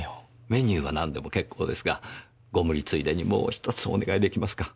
メニューは何でも結構ですがご無理ついでにもう１つお願いできますか？